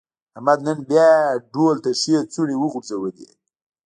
احمد نن بیا ډول ته ښې څڼې غورځولې.